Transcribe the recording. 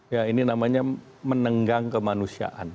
ya ini namanya menenggang kemanusiaan